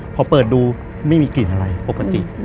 พอเปิดดูไม่มีกลิ่นอะไรปกติ